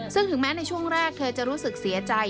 ซึ่งถึงแม้ในช่วงแรกเธอจะรู้สึกเสียใจ